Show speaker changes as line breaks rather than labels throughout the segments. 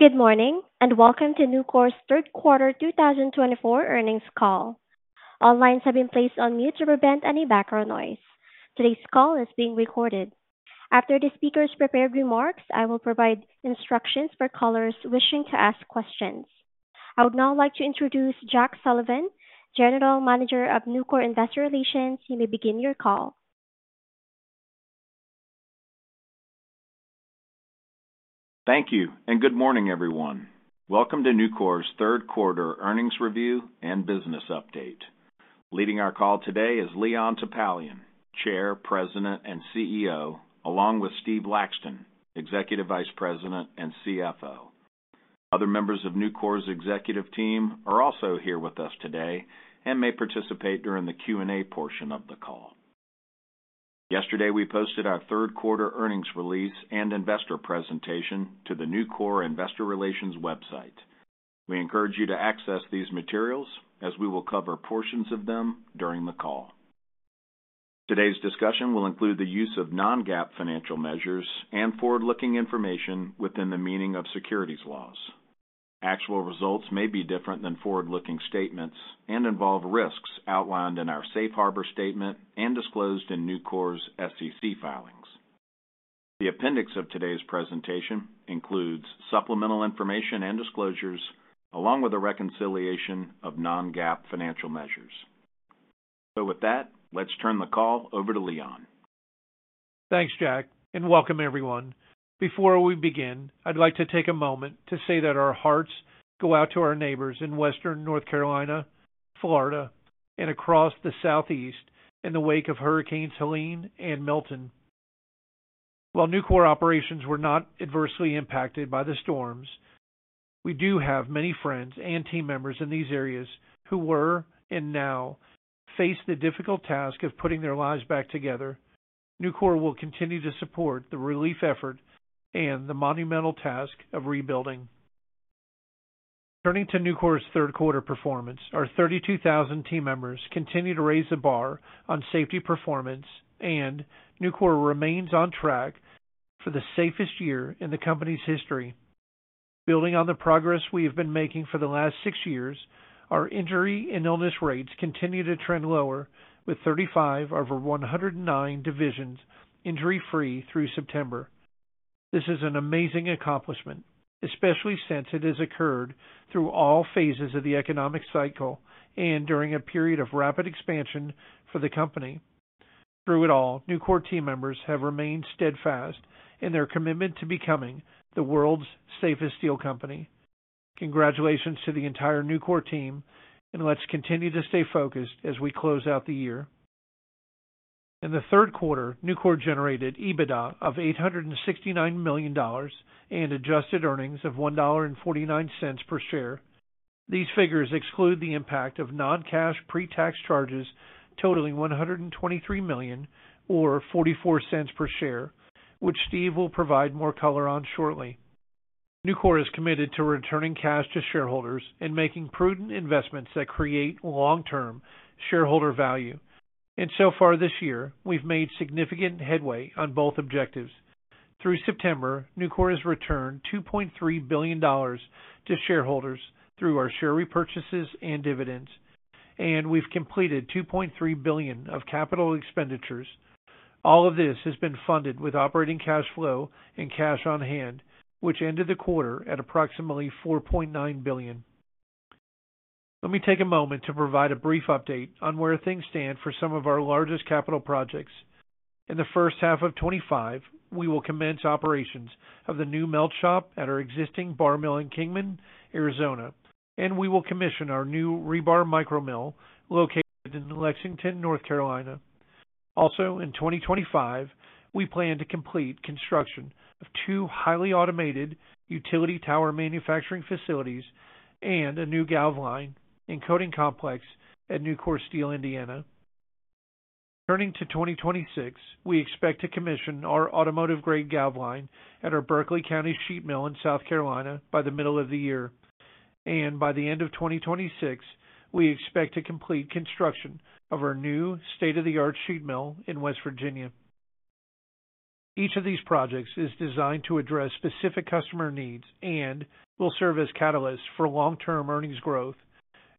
Good morning, and welcome to Nucor's third quarter 2024 earnings call. All lines have been placed on mute to prevent any background noise. Today's call is being recorded. After the speaker's prepared remarks, I will provide instructions for callers wishing to ask questions. I would now like to introduce Jack Sullivan, General Manager of Nucor Investor Relations. You may begin your call.
Thank you, and good morning, everyone. Welcome to Nucor's third quarter earnings review and business update. Leading our call today is Leon Topalian, Chair, President, and CEO, along with Steve Laxton, Executive Vice President and CFO. Other members of Nucor's executive team are also here with us today and may participate during the Q&A portion of the call. Yesterday, we posted our third quarter earnings release and investor presentation to the Nucor Investor Relations website. We encourage you to access these materials as we will cover portions of them during the call. Today's discussion will include the use of non-GAAP financial measures and forward-looking information within the meaning of securities laws. Actual results may be different than forward-looking statements and involve risks outlined in our safe harbor statement and disclosed in Nucor's SEC filings. The appendix of today's presentation includes supplemental information and disclosures, along with a reconciliation of non-GAAP financial measures. So with that, let's turn the call over to Leon.
Thanks, Jack, and welcome, everyone. Before we begin, I'd like to take a moment to say that our hearts go out to our neighbors in Western North Carolina, Florida, and across the Southeast in the wake of Hurricanes Helene and Milton. While Nucor operations were not adversely impacted by the storms, we do have many friends and team members in these areas who were and now face the difficult task of putting their lives back together. Nucor will continue to support the relief effort and the monumental task of rebuilding. Turning to Nucor's third quarter performance, our thirty-two thousand team members continue to raise the bar on safety performance, and Nucor remains on track for the safest year in the company's history. Building on the progress we have been making for the last six years, our injury and illness rates continue to trend lower, with 35 over 109 divisions injury-free through September. This is an amazing accomplishment, especially since it has occurred through all phases of the economic cycle and during a period of rapid expansion for the company. Through it all, Nucor team members have remained steadfast in their commitment to becoming the world's safest steel company. Congratulations to the entire Nucor team, and let's continue to stay focused as we close out the year. In the third quarter, Nucor generated EBITDA of $869 million and adjusted earnings of $1.49 per share. These figures exclude the impact of non-cash pre-tax charges, totaling $123 million or $0.44 per share, which Steve will provide more color on shortly. Nucor is committed to returning cash to shareholders and making prudent investments that create long-term shareholder value, and so far this year, we've made significant headway on both objectives. Through September, Nucor has returned $2.3 billion to shareholders through our share repurchases and dividends, and we've completed $2.3 billion of capital expenditures. All of this has been funded with operating cash flow and cash on hand, which ended the quarter at approximately $4.9 billion. Let me take a moment to provide a brief update on where things stand for some of our largest capital projects. In the first half of 2025, we will commence operations of the new melt shop at our existing bar mill in Kingman, Arizona, and we will commission our new rebar micro mill located in Lexington, North Carolina. Also, in 2025, we plan to complete construction of two highly automated utility tower manufacturing facilities and a new galv line and coating complex at Nucor Steel Indiana. Turning to 2026, we expect to commission our automotive-grade galv line at our Berkeley County sheet mill in South Carolina by the middle of the year. And by the end of 2026, we expect to complete construction of our new state-of-the-art sheet mill in West Virginia. Each of these projects is designed to address specific customer needs and will serve as catalysts for long-term earnings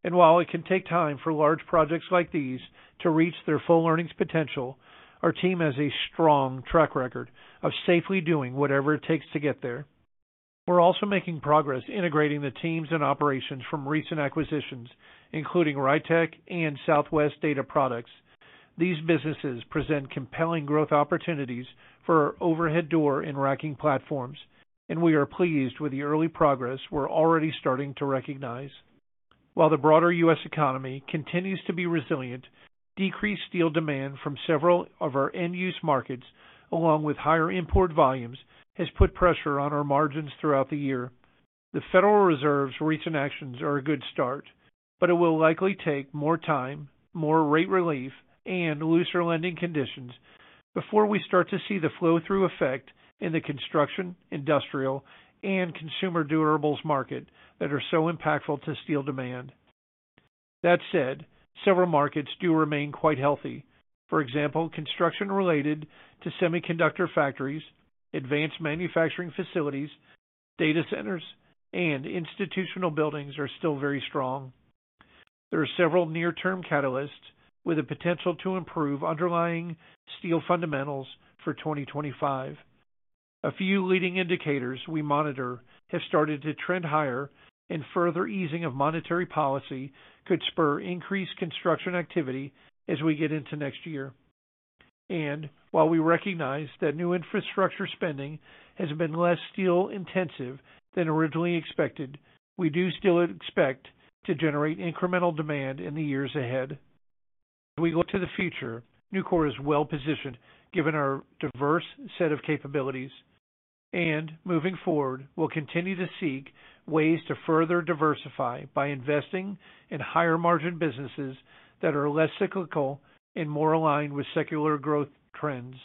growth. And while it can take time for large projects like these to reach their full earnings potential, our team has a strong track record of safely doing whatever it takes to get there. We're also making progress integrating the teams and operations from recent acquisitions, including Rytec and Southwest Data Products. These businesses present compelling growth opportunities for our overhead door and racking platforms, and we are pleased with the early progress we're already starting to recognize. While the broader U.S. economy continues to be resilient, decreased steel demand from several of our end-use markets, along with higher import volumes, has put pressure on our margins throughout the year. The Federal Reserve's recent actions are a good start, but it will likely take more time, more rate relief, and looser lending conditions before we start to see the flow-through effect in the construction, industrial, and consumer durables market that are so impactful to steel demand. That said, several markets do remain quite healthy. For example, construction related to semiconductor factories, advanced manufacturing facilities, data centers, and institutional buildings are still very strong. There are several near-term catalysts with the potential to improve underlying steel fundamentals for twenty twenty-five. A few leading indicators we monitor have started to trend higher and further easing of monetary policy could spur increased construction activity as we get into next year, and while we recognize that new infrastructure spending has been less steel intensive than originally expected, we do still expect to generate incremental demand in the years ahead. As we look to the future, Nucor is well-positioned, given our diverse set of capabilities, and moving forward, we'll continue to seek ways to further diversify by investing in higher margin businesses that are less cyclical and more aligned with secular growth trends.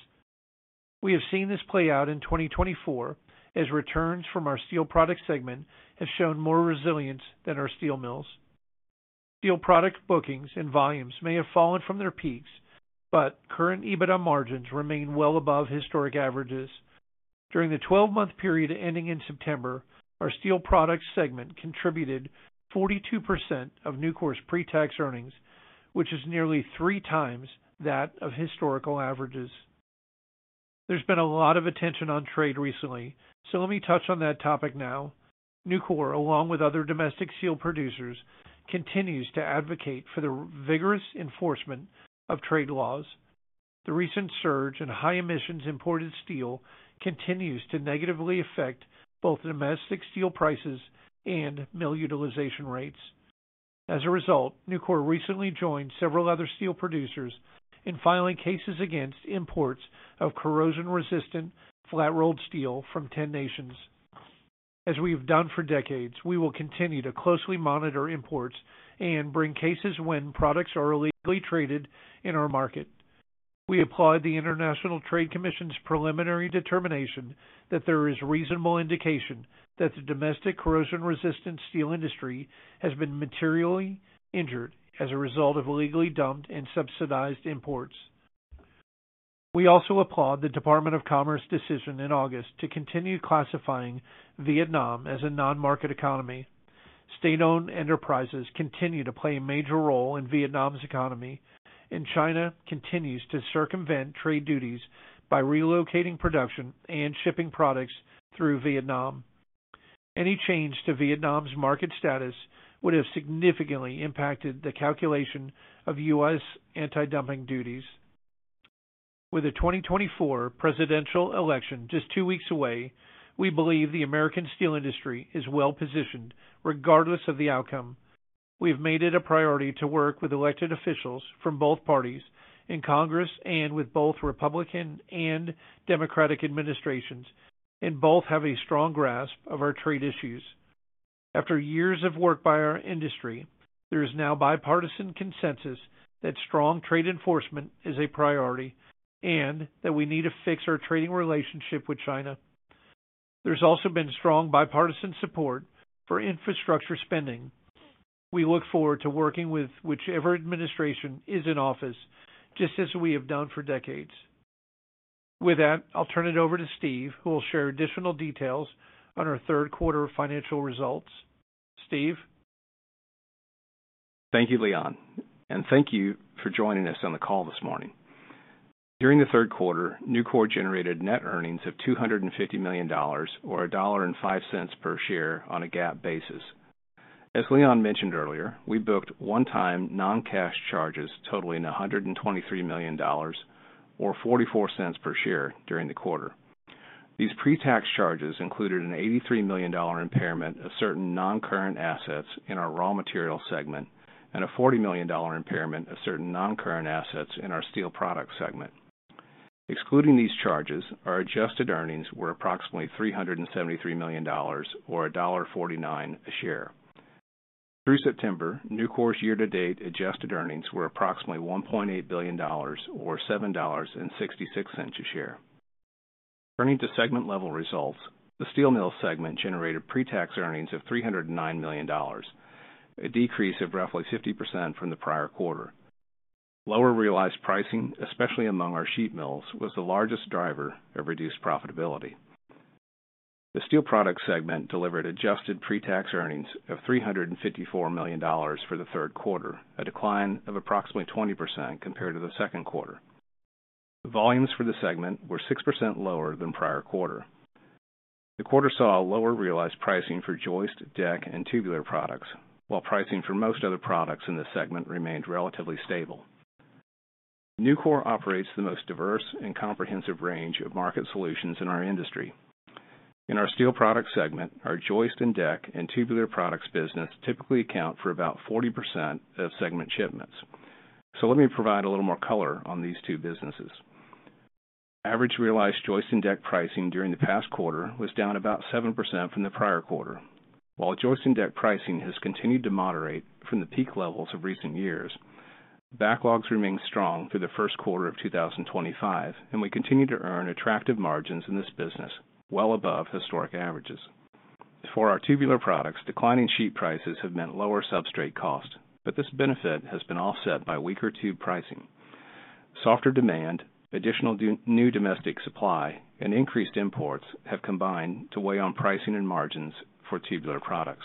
We have seen this play out in twenty twenty-four, as returns from our steel product segment have shown more resilience than our steel mills. Steel product bookings and volumes may have fallen from their peaks, but current EBITDA margins remain well above historic averages. During the twelve-month period ending in September, our steel products segment contributed 42% of Nucor's pretax earnings, which is nearly three times that of historical averages. There's been a lot of attention on trade recently, so let me touch on that topic now. Nucor, along with other domestic steel producers, continues to advocate for the vigorous enforcement of trade laws. The recent surge in high emissions imported steel continues to negatively affect both domestic steel prices and mill utilization rates. As a result, Nucor recently joined several other steel producers in filing cases against imports of corrosion-resistant flat-rolled steel from 10 nations. As we've done for decades, we will continue to closely monitor imports and bring cases when products are illegally traded in our market. We applaud the International Trade Commission's preliminary determination that there is reasonable indication that the domestic corrosion-resistant steel industry has been materially injured as a result of illegally dumped and subsidized imports. We also applaud the Department of Commerce decision in August to continue classifying Vietnam as a non-market economy. State-owned enterprises continue to play a major role in Vietnam's economy, and China continues to circumvent trade duties by relocating production and shipping products through Vietnam. Any change to Vietnam's market status would have significantly impacted the calculation of U.S. anti-dumping duties. With the twenty twenty-four presidential election just two weeks away, we believe the American steel industry is well positioned, regardless of the outcome. We've made it a priority to work with elected officials from both parties in Congress and with both Republican and Democratic administrations, and both have a strong grasp of our trade issues. After years of work by our industry, there is now bipartisan consensus that strong trade enforcement is a priority and that we need to fix our trading relationship with China. There's also been strong bipartisan support for infrastructure spending. We look forward to working with whichever administration is in office, just as we have done for decades. With that, I'll turn it over to Steve, who will share additional details on our third quarter financial results. Steve?
Thank you, Leon, and thank you for joining us on the call this morning. During the third quarter, Nucor generated net earnings of $250 million or $1.05 per share on a GAAP basis. As Leon mentioned earlier, we booked one-time non-cash charges totaling $123 million or $0.44 per share during the quarter. These pre-tax charges included an $83 million impairment of certain non-current assets in our raw materials segment, and a $40 million impairment of certain non-current assets in our steel products segment. Excluding these charges, our adjusted earnings were approximately $373 million or $1.49 a share. Through September, Nucor's year-to-date adjusted earnings were approximately $1.8 billion or $7.66 a share. Turning to segment-level results, the steel mill segment generated pretax earnings of $309 million, a decrease of roughly 50% from the prior quarter. Lower realized pricing, especially among our sheet mills, was the largest driver of reduced profitability. The steel products segment delivered adjusted pretax earnings of $354 million for the third quarter, a decline of approximately 20% compared to the second quarter. The volumes for the segment were 6% lower than prior quarter. The quarter saw a lower realized pricing for joist, deck, and tubular products, while pricing for most other products in this segment remained relatively stable. Nucor operates the most diverse and comprehensive range of market solutions in our industry. In our steel products segment, our joist and deck and tubular products business typically account for about 40% of segment shipments. So let me provide a little more color on these two businesses. Average realized Joist and Deck pricing during the past quarter was down about 7% from the prior quarter. While Joist and Deck pricing has continued to moderate from the peak levels of recent years. Backlogs remained strong through the first quarter of 2025, and we continue to earn attractive margins in this business, well above historic averages. For our Tubular Products, declining sheet prices have meant lower substrate costs, but this benefit has been offset by weaker tube pricing. Softer demand, additional new domestic supply, and increased imports have combined to weigh on pricing and margins for Tubular Products.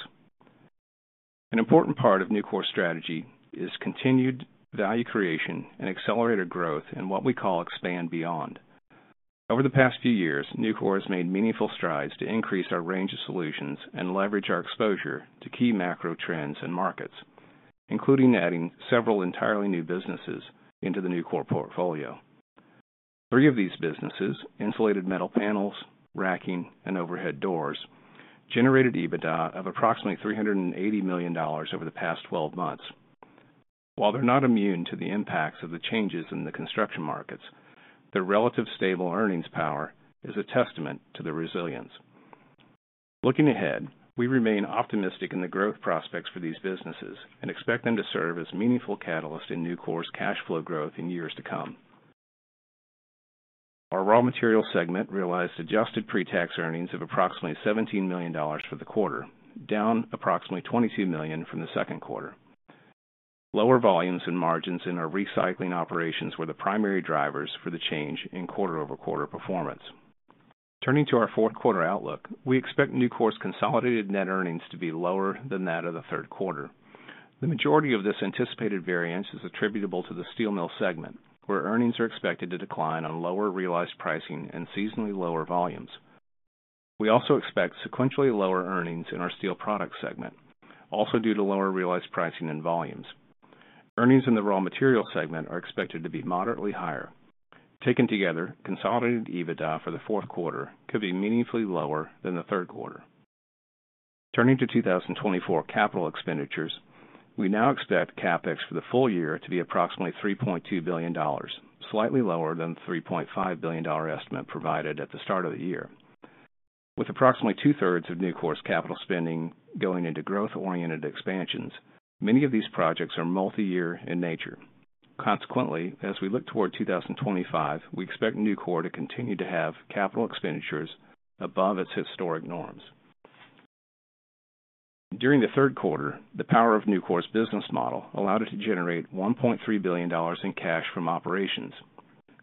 An important part of Nucor's strategy is continued value creation and accelerated growth in what we call Expand Beyond. Over the past few years, Nucor has made meaningful strides to increase our range of solutions and leverage our exposure to key macro trends and markets, including adding several entirely new businesses into the Nucor portfolio. Three of these businesses, insulated metal panels, racking, and overhead doors, generated EBITDA of approximately $380 million over the past twelve months. While they're not immune to the impacts of the changes in the construction markets, their relatively stable earnings power is a testament to their resilience. Looking ahead, we remain optimistic in the growth prospects for these businesses and expect them to serve as meaningful catalyst in Nucor's cash flow growth in years to come. Our raw material segment realized adjusted pre-tax earnings of approximately $17 million for the quarter, down approximately $22 million from the second quarter. Lower volumes and margins in our recycling operations were the primary drivers for the change in quarter-over-quarter performance. Turning to our fourth quarter outlook, we expect Nucor's consolidated net earnings to be lower than that of the third quarter. The majority of this anticipated variance is attributable to the steel mill segment, where earnings are expected to decline on lower realized pricing and seasonally lower volumes. We also expect sequentially lower earnings in our steel products segment, also due to lower realized pricing and volumes. Earnings in the raw material segment are expected to be moderately higher. Taken together, consolidated EBITDA for the fourth quarter could be meaningfully lower than the third quarter. Turning to two thousand and twenty-four capital expenditures, we now expect CapEx for the full year to be approximately $3.2 billion, slightly lower than the $3.5 billion estimate provided at the start of the year. With approximately two-thirds of Nucor's capital spending going into growth-oriented expansions, many of these projects are multiyear in nature. Consequently, as we look toward two thousand and twenty-five, we expect Nucor to continue to have capital expenditures above its historic norms. During the third quarter, the power of Nucor's business model allowed it to generate $1.3 billion in cash from operations.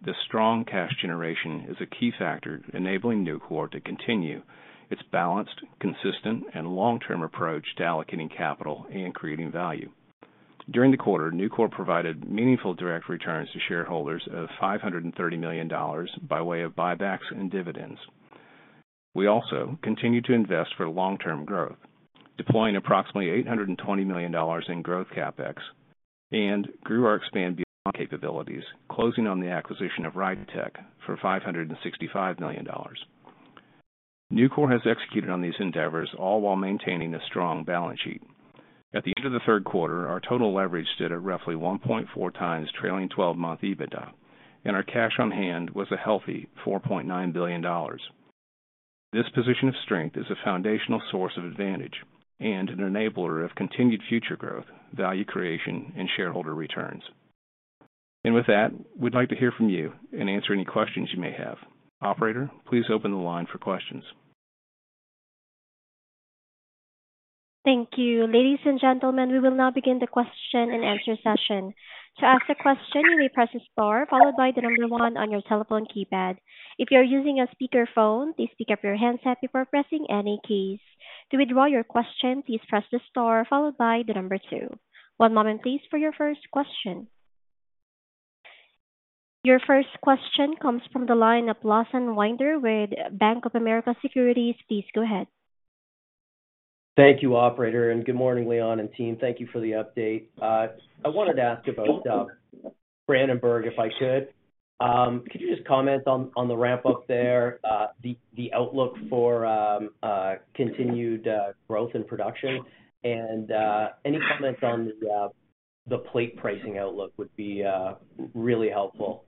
This strong cash generation is a key factor enabling Nucor to continue its balanced, consistent, and long-term approach to allocating capital and creating value. During the quarter, Nucor provided meaningful direct returns to shareholders of $530 million by way of buybacks and dividends. We also continued to invest for long-term growth, deploying approximately $820 million in growth CapEx, and grew our Expand Beyond capabilities, closing on the acquisition of Rytec for $565 million. Nucor has executed on these endeavors, all while maintaining a strong balance sheet. At the end of the third quarter, our total leverage stood at roughly 1.4 times trailing twelve-month EBITDA, and our cash on hand was a healthy $4.9 billion. This position of strength is a foundational source of advantage and an enabler of continued future growth, value creation, and shareholder returns. And with that, we'd like to hear from you and answer any questions you may have. Operator, please open the line for questions.
Thank you. Ladies and gentlemen, we will now begin the question-and-answer session. To ask a question, you may press star, followed by the number one on your telephone keypad. If you are using a speakerphone, please pick up your handset before pressing any keys. To withdraw your question, please press the star followed by the number two. One moment, please, for your first question. Your first question comes from the line of Lawson Winder with Bank of America Securities. Please go ahead.
Thank you, operator, and good morning, Leon and team. Thank you for the update. I wanted to ask about Brandenburg, if I could. Could you just comment on the ramp up there, the outlook for continued growth and production? And any comments on the plate pricing outlook would be really helpful.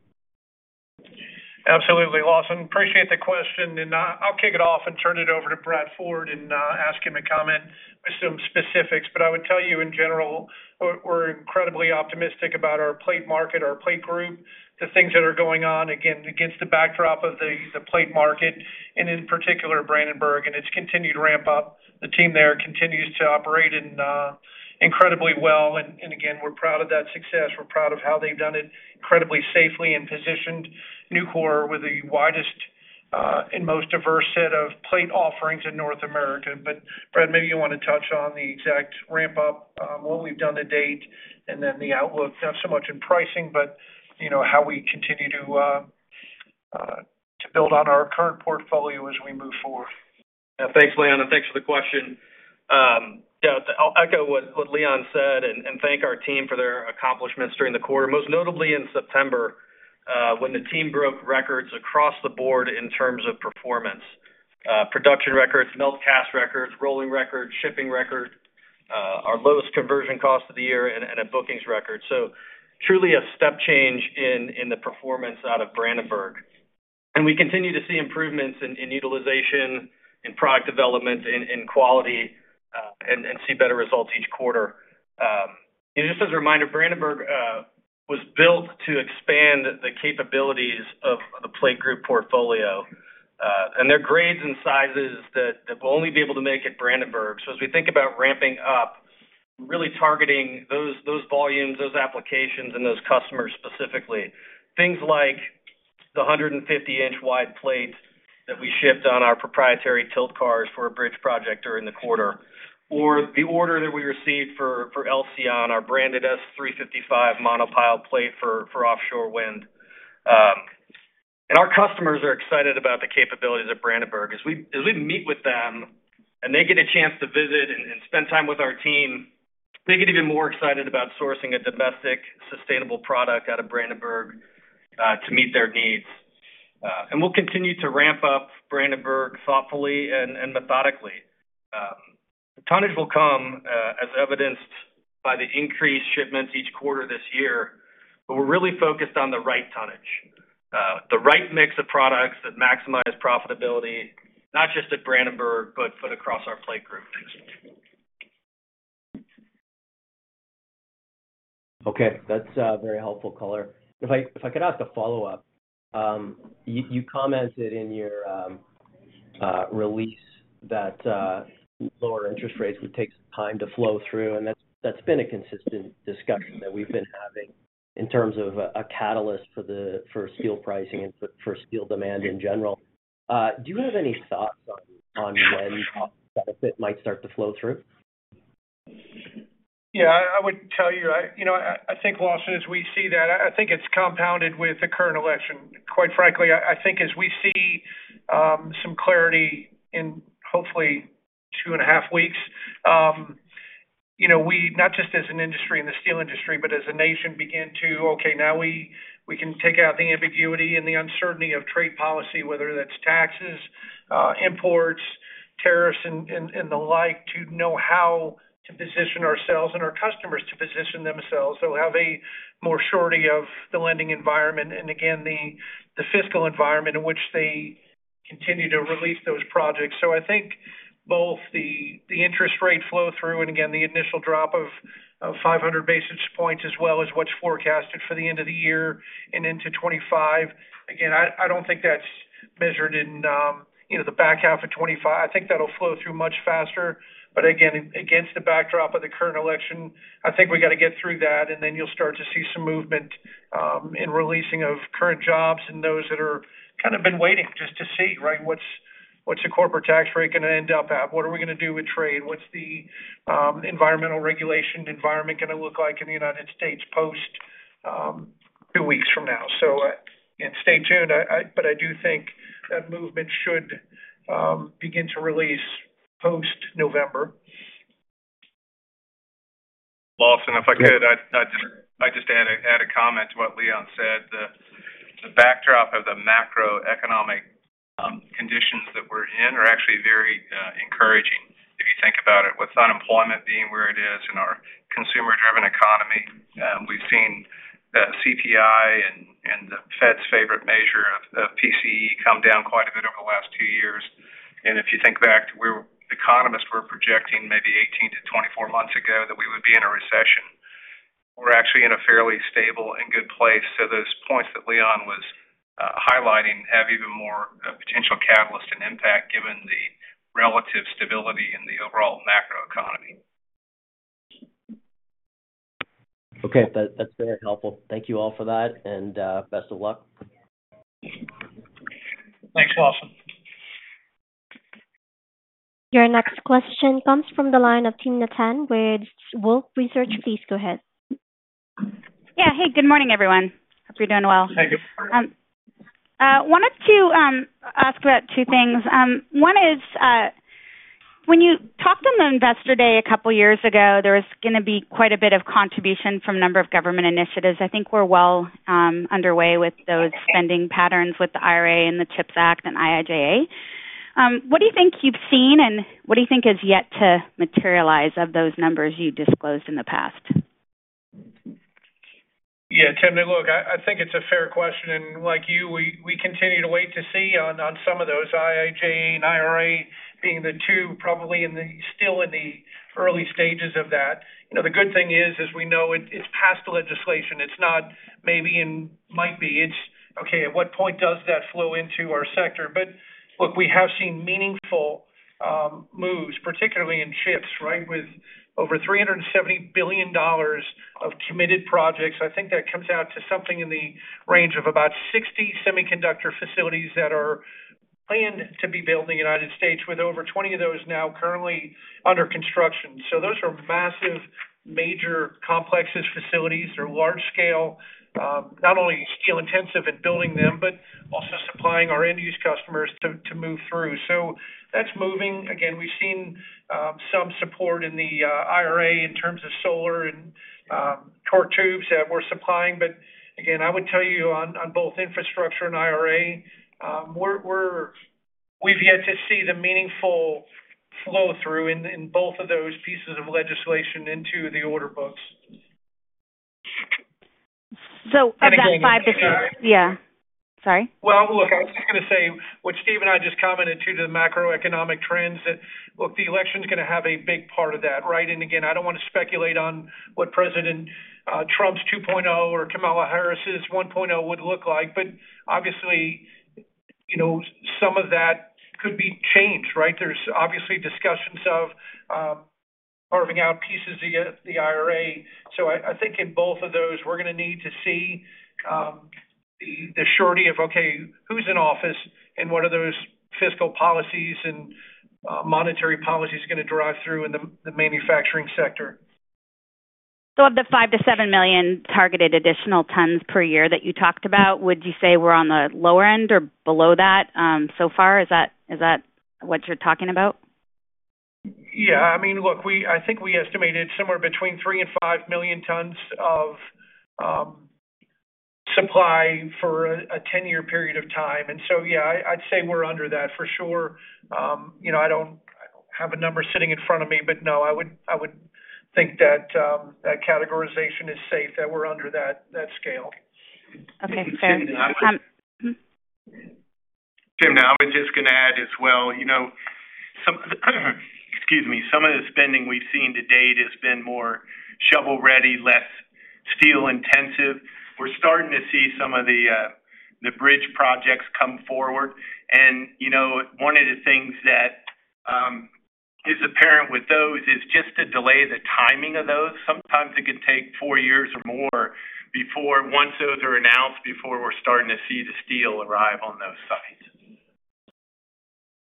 Absolutely, Lawson. Appreciate the question, and I, I'll kick it off and turn it over to Brad Ford and ask him to comment with some specifics. But I would tell you in general, we're incredibly optimistic about our plate market, our plate group, the things that are going on, again, against the backdrop of the plate market, and in particular, Brandenburg, and it's continued ramp up. The team there continues to operate and incredibly well, and again, we're proud of that success. We're proud of how they've done it incredibly safely and positioned Nucor with the widest and most diverse set of plate offerings in North America.
But Brad, maybe you want to touch on the exact ramp up, what we've done to date, and then the outlook, not so much in pricing, but, you know, how we continue to build on our current portfolio as we move forward.
Yeah. Thanks, Leon, and thanks for the question. Yeah, I'll echo what Leon said and thank our team for their accomplishments during the quarter, most notably in September, when the team broke records across the board in terms of performance. Production records, melt cast records, rolling records, shipping records, our lowest conversion cost of the year, and a bookings record. So truly a step change in the performance out of Brandenburg. And we continue to see improvements in utilization, in product development, in quality, and see better results each quarter. And just as a reminder, Brandenburg was built to expand the capabilities of the plate group portfolio, and their grades and sizes that we'll only be able to make at Brandenburg. So as we think about ramping up, really targeting those volumes, those applications, and those customers, specifically. Things like the 150-inch-wide plates that we shipped on our proprietary tilt cars for a bridge project during the quarter, or the order that we received for Elcyon, our branded S355 monopile plate for offshore wind. And our customers are excited about the capabilities at Brandenburg. As we meet with them, and they get a chance to visit and spend time with our team, they get even more excited about sourcing a domestic, sustainable product out of Brandenburg to meet their needs. And we'll continue to ramp up Brandenburg thoughtfully and methodically. The tonnage will come, as evidenced by the increased shipments each quarter this year, but we're really focused on the right tonnage, the right mix of products that maximize profitability, not just at Brandenburg, but across our plate group.
Okay. That's very helpful color. If I could ask a follow-up. You commented in your release that lower interest rates would take some time to flow through, and that's been a consistent discussion that we've been having in terms of a catalyst for steel pricing and for steel demand in general. Do you have any thoughts on when benefit might start to flow through?
Yeah, I, I would tell you, I-- you know, I, I think, Lawson, as we see that, I, I think it's compounded with the current election. Quite frankly, I, I think as we see, some clarity in hopefully two and a half weeks, you know, we, not just as an industry in the steel industry, but as a nation, begin to, okay, now we, we can take out the ambiguity and the uncertainty of trade policy, whether that's taxes, imports, tariffs, and, and, and the like, to know how to position ourselves and our customers to position themselves. So have a more surety of the lending environment, and again, the, the fiscal environment in which they continue to release those projects. So I think both the interest rate flow through, and again, the initial drop of 500 basis points, as well as what's forecasted for the end of the year and into 2025. Again, I don't think that's measured in, you know, the back half of 2025. I think that'll flow through much faster. But again, against the backdrop of the current election, I think we got to get through that, and then you'll start to see some movement in releasing of current jobs and those that are kind of been waiting just to see, right? What's the corporate tax rate gonna end up at? What are we gonna do with trade? What's the environmental regulation environment gonna look like in the United States post two weeks from now? And stay tuned. I... But I do think that movement should begin to release post-November.
Lawson, if I could, I'd just add a comment to what Leon said. The backdrop of the macroeconomic conditions that we're in are actually very encouraging. If you think about it, with unemployment being where it is in our consumer-driven economy, we've seen the CPI and the Fed's favorite measure of PCE come down quite a bit over the last two years. And if you think back to where economists were projecting maybe 18-24 months ago that we would be in a recession, we're actually in a fairly stable and good place. So those points that Leon was highlighting have even more potential catalyst and impact, given the relative stability in the overall macro economy.
Okay. That, that's very helpful. Thank you all for that, and best of luck.
Thanks, Lawson.
Your next question comes from the line of Timna Tanners with Wolfe Research. Please go ahead.
Yeah. Hey, good morning, everyone. Hope you're doing well.
Hey, good.
Wanted to ask about two things. One is, when you talked on the Investor Day a couple of years ago, there was gonna be quite a bit of contribution from a number of government initiatives. I think we're well underway with those spending patterns, with the IRA and the CHIPS Act and IIJA. What do you think you've seen, and what do you think is yet to materialize of those numbers you disclosed in the past?
Yeah, Tim, look, I think it's a fair question, and like you, we continue to wait to see on some of those, IIJA and IRA being the two, probably in the, still in the early stages of that. You know, the good thing is, as we know, it's passed the legislation. It's not maybe and might be. It's okay, at what point does that flow into our sector? But look, we have seen meaningful moves, particularly in chips, right, with over $370 billion of committed projects. I think that comes out to something in the range of about 60 semiconductor facilities that are planned to be built in the United States, with over 20 of those now currently under construction. So those are massive, major complexes, facilities. They're large scale, not only steel-intensive in building them, but also supplying our end-use customers to move through. So that's moving. Again, we've seen some support in the IRA in terms of solar and torque tubes that we're supplying. But again, I would tell you on both infrastructure and IRA, we've yet to see the meaningful flow-through in both of those pieces of legislation into the order books....
So about five to six. Yeah. Sorry?
Well, look, I was just going to say, what Steve and I just commented to the macroeconomic trends, that, look, the election is going to have a big part of that, right? And again, I don't want to speculate on what President Trump's two point O or Kamala Harris's one point O would look like, but obviously, you know, some of that could be changed, right? There's obviously discussions of carving out pieces to get the IRA. So I think in both of those, we're going to need to see the surety of, okay, who's in office and what are those fiscal policies and monetary policies going to drive through in the manufacturing sector.
So of the 5-7 million targeted additional tons per year that you talked about, would you say we're on the lower end or below that, so far? Is that, is that what you're talking about?
Yeah, I mean, look, we, I think we estimated somewhere between three and five million tons of supply for a ten-year period of time. So, yeah, I'd say we're under that for sure. You know, I don't have a number sitting in front of me, but no, I would think that that categorization is safe, that we're under that, that scale.
Okay, fair.
Tim, I was just going to add as well, you know, some of the spending we've seen to date has been more shovel-ready, less steel-intensive. We're starting to see some of the bridge projects come forward, and you know, one of the things that is apparent with those is just to delay the timing of those. Sometimes it can take four years or more before, once those are announced, before we're starting to see the steel arrive on those sites.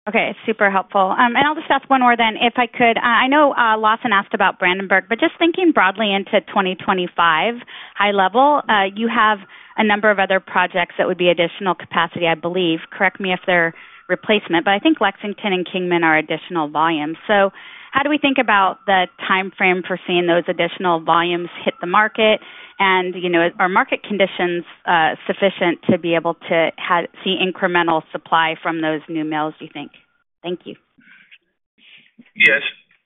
Okay, super helpful. And I'll just ask one more then, if I could. I know, Lawson asked about Brandenburg, but just thinking broadly into twenty twenty-five, high level, you have a number of other projects that would be additional capacity, I believe. Correct me if they're replacement, but I think Lexington and Kingman are additional volumes. So how do we think about the timeframe for seeing those additional volumes hit the market? And, you know, are market conditions sufficient to be able to have to see incremental supply from those new mills, do you think? Thank you.
Yes.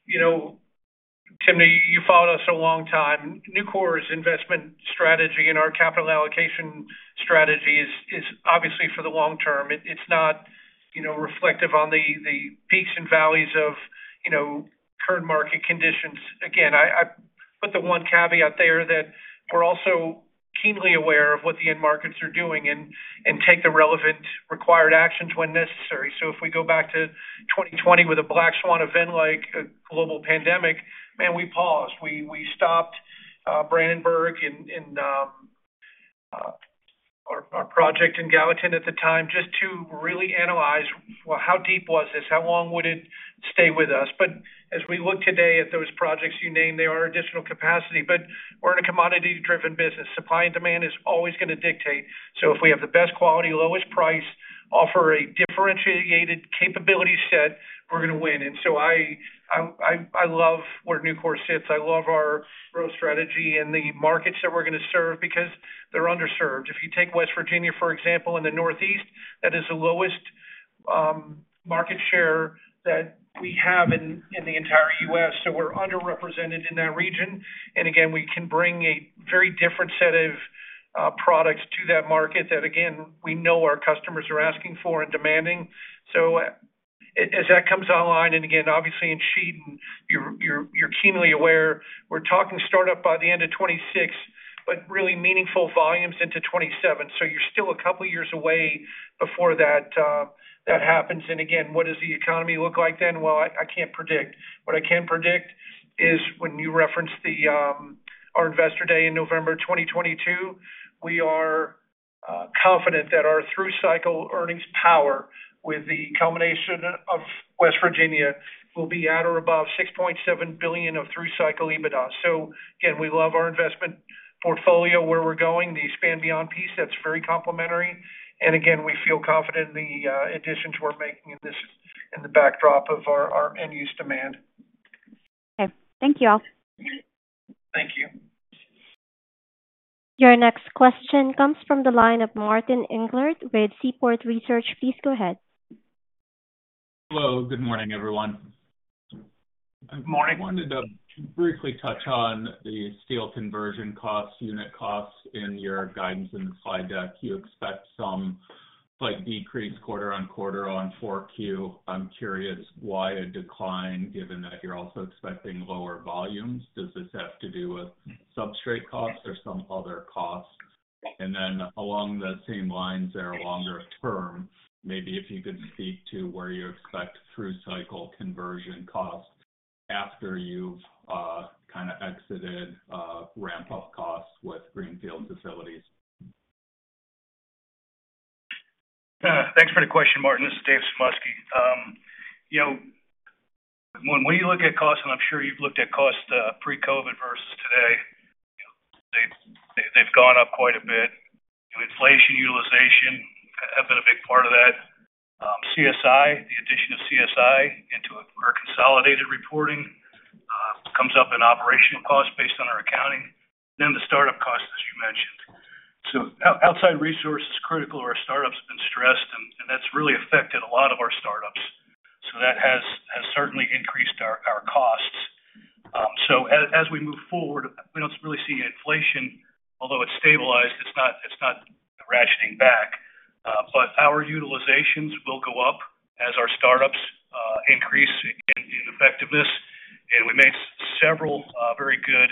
You know, Timna, you followed us a long time. Nucor's investment strategy and our capital allocation strategy is obviously for the long term. It's not, you know, reflective on the peaks and valleys of, you know, current market conditions. Again, I put the one caveat there that we're also keenly aware of what the end markets are doing and take the relevant required actions when necessary. So if we go back to 2020 with a black swan event like a global pandemic, man, we paused. We stopped Brandenburg and our project in Gallatin at the time, just to really analyze, well, how deep was this? How long would it stay with us? But as we look today at those projects you named, they are additional capacity, but we're in a commodity-driven business. Supply and demand is always going to dictate. So if we have the best quality, lowest price, offer a differentiated capability set, we're going to win. And so I love where Nucor sits. I love our growth strategy and the markets that we're going to serve because they're underserved. If you take West Virginia, for example, in the Northeast, that is the lowest market share that we have in the entire U.S. So we're underrepresented in that region. And again, we can bring a very different set of products to that market that, again, we know our customers are asking for and demanding. So as that comes online, and again, obviously in Sheet, and you're keenly aware, we're talking start up by the end of 2026, but really meaningful volumes into 2027. So you're still a couple of years away before that, that happens. And again, what does the economy look like then? Well, I, I can't predict. What I can predict is when you reference the, our Investor Day in November 2022, we are, confident that our through cycle earnings power with the combination of West Virginia, will be at or above $6.7 billion of through cycle EBITDA. So again, we love our investment portfolio, where we're going, the Expand Beyond piece, that's very complementary. And again, we feel confident in the, additions we're making in this, in the backdrop of our, our end-use demand.
Okay. Thank you all.
Thank you.
Your next question comes from the line of Martin Englert with Seaport Research Partners. Please go ahead.
Hello, good morning, everyone.
Good morning.
I wanted to briefly touch on the steel conversion costs, unit costs in your guidance and slide deck. You expect some slight decrease quarter on quarter on Q4. I'm curious why a decline, given that you're also expecting lower volumes. Does this have to do with substrate costs or some other costs? And then along the same lines there, longer term, maybe if you could speak to where you expect through cycle conversion costs after you've kind of exited ramp-up costs with greenfield facilities.
Thanks for the question, Martin. This is Dave Sumoski. You know, when we look at costs, and I'm sure you've looked at costs, pre-COVID versus today, they've gone up quite a bit. Inflation, utilization, have been a big part of that. CSI, the addition of CSI into our consolidated reporting, comes up in operational costs based on our accounting, then the startup costs, as you mentioned. So outside resource is critical. Our startups have been stressed, and that's really affected-... costs. So as we move forward, we don't really see inflation, although it's stabilized, it's not ratcheting back. But our utilizations will go up as our startups increase in effectiveness, and we made several very good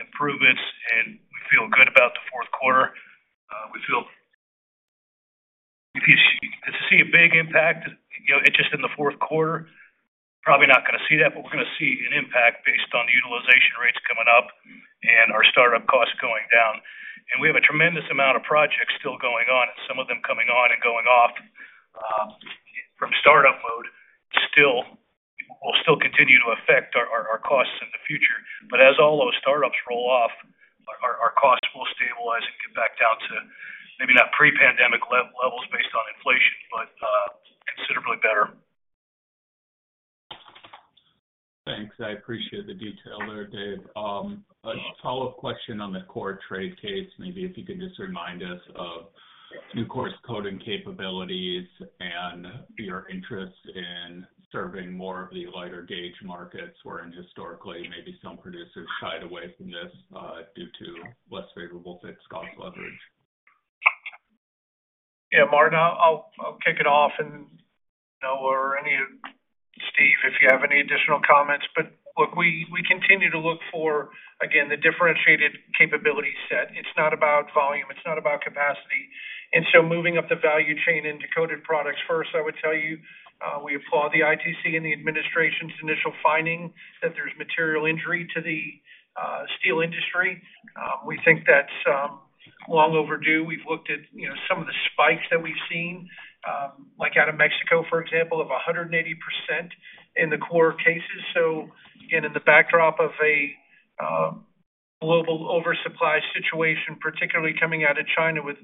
improvements, and we feel good about the fourth quarter. We feel if you see a big impact, you know, just in the fourth quarter, probably not gonna see that, but we're gonna see an impact based on the utilization rates coming up and our startup costs going down. And we have a tremendous amount of projects still going on, and some of them coming on and going off from startup mode, still will continue to affect our costs in the future.
As all those startups roll off, our costs will stabilize and get back down to maybe not pre-pandemic levels based on inflation, but considerably better.
Thanks. I appreciate the detail there, Dave. A follow-up question on the core trade case. Maybe if you could just remind us of Nucor's coating capabilities and your interest in serving more of the lighter gauge markets, wherein historically, maybe some producers shied away from this due to less favorable fixed cost leverage.
Yeah, Mark, I'll kick it off, and Noah or any of... Steve, if you have any additional comments. But look, we continue to look for, again, the differentiated capability set. It's not about volume, it's not about capacity. And so moving up the value chain into coated products, first, I would tell you, we applaud the ITC and the administration's initial finding that there's material injury to the steel industry. We think that's long overdue. We've looked at, you know, some of the spikes that we've seen, like out of Mexico, for example, of 180% in the core cases. So again, in the backdrop of a global oversupply situation, particularly coming out of China, with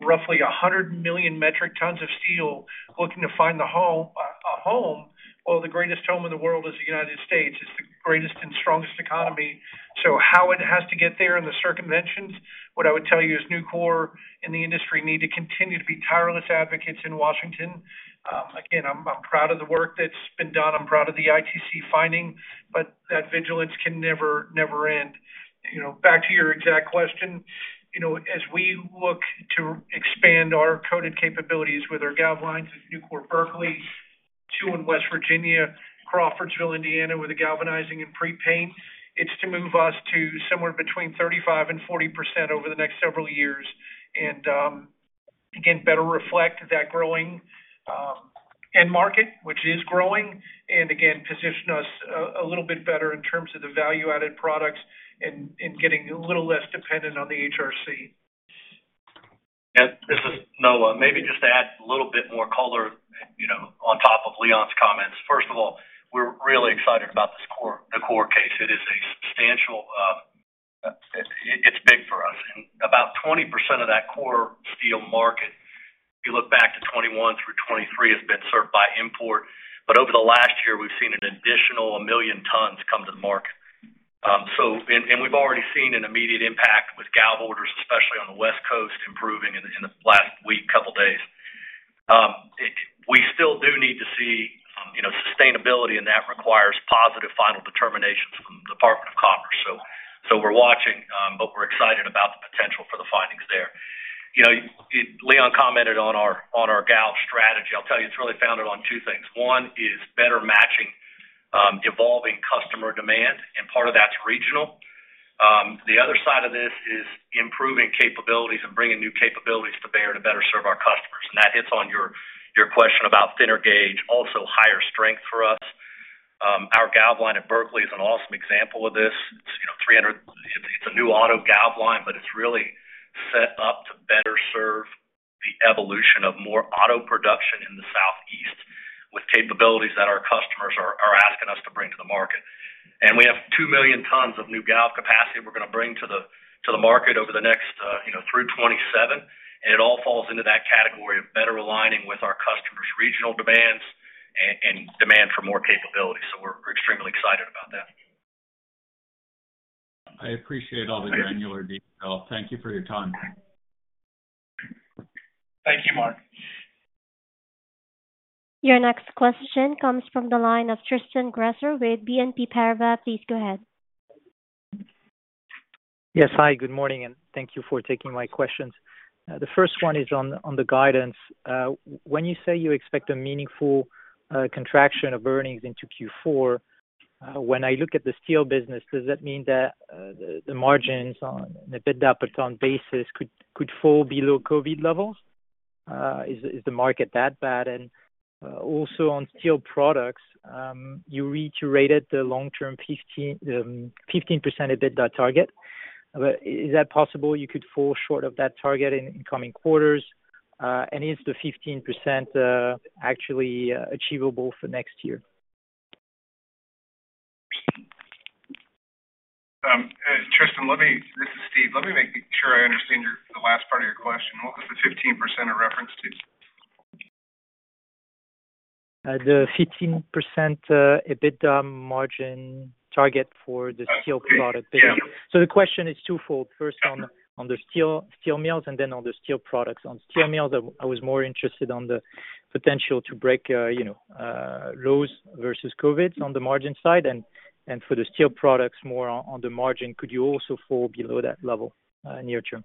roughly a hundred million metric tons of steel looking to find a home, well, the greatest home in the world is the United States. It's the greatest and strongest economy. So how it has to get there in the circumventions, what I would tell you is Nucor and the industry need to continue to be tireless advocates in Washington. Again, I'm proud of the work that's been done. I'm proud of the ITC finding, but that vigilance can never, never end. You know, back to your exact question, you know, as we look to expand our coated capabilities with our gal lines at Nucor Berkeley, two in West Virginia, Crawfordsville, Indiana, with the galvanizing and prepaint, it's to move us to somewhere between 35% and 40% over the next several years. And, again, better reflect that growing end market, which is growing, and again, position us a little bit better in terms of the value-added products and getting a little less dependent on the HRC.
Yeah, this is Noah. Maybe just to add a little bit more color, you know, on top of Leon's comments. First of all, we're really excited about this core, the core case. It is a substantial, it, it's big for us. And about 20% of that core steel market, if you look back to 2021 through 2023, has been served by import. But over the last year, we've seen an additional million tons come to the market. So, and we've already seen an immediate impact with gal orders, especially on the West Coast, improving in the last week, couple days. We still do need to see, you know, sustainability, and that requires positive final determinations from the Department of Commerce. So we're watching, but we're excited about the potential for the findings there. You know, Leon commented on our, on our gal strategy. I'll tell you, it's really founded on two things. One is better matching, evolving customer demand, and part of that's regional. The other side of this is improving capabilities and bringing new capabilities to bear to better serve our customers, and that hits on your, your question about thinner gauge, also higher strength for us. Our gal line at Berkeley is an awesome example of this. It's, you know, three hundred, it's a new auto gal line, but it's really set up to better serve the evolution of more auto production in the Southeast, with capabilities that our customers are, are asking us to bring to the market. And we have two million tons of new gal capacity we're gonna bring to the, to the market over the next, you know, through 2027. It all falls into that category of better aligning with our customers' regional demands and demand for more capability. So we're extremely excited about that.
I appreciate all the granular detail. Thank you for your time.
Thank you, Mark.
Your next question comes from the line of Tristan Gresser with BNP Paribas. Please go ahead.
Yes. Hi, good morning, and thank you for taking my questions. The first one is on the guidance. When you say you expect a meaningful contraction of earnings into Q4, when I look at the steel business, does that mean that the margins on the EBITDA per ton basis could fall below COVID levels? Is the market that bad? And also on steel products, you reiterated the long-term 15% EBITDA target. But is that possible you could fall short of that target in incoming quarters? And is the 15%, actually, achievable for next year?
Tristan, let me... This is Steve. Let me make sure I understand your, the last part of your question. What was the 15% in reference to?
The 15% EBITDA margin target for the steel product.
Okay.
The question is twofold. First, on the steel mills and then on the steel products. On steel mills, I was more interested in the potential to break, you know, lows versus COVID on the margin side, and for the steel products more on the margin, could you also fall below that level near term?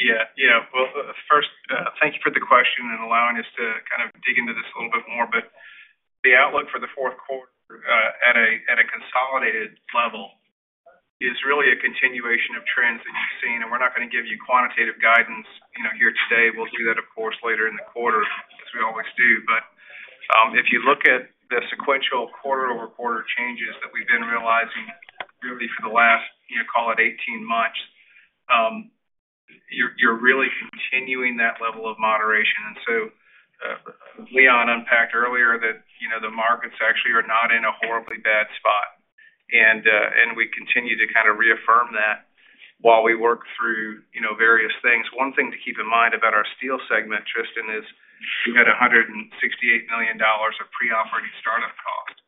Yeah. Yeah. Well, first, thank you for the question and allowing us to kind of dig into this a little bit more, but the outlook for the fourth quarter at a consolidated level is really a continuation of trends that you've seen, and we're not gonna give you quantitative guidance, you know, here today. We'll do that, of course, later in the quarter, as we always do, but if you look at the sequential quarter-over-quarter changes that we've been realizing really for the last, you know, call it eighteen months, you're really continuing that level of moderation, and so Leon unpacked earlier that, you know, the markets actually are not in a horribly bad spot, and we continue to kind of reaffirm that while we work through, you know, various things. One thing to keep in mind about our steel segment, Tristan, is we had $168 million of pre-operating start-up costs.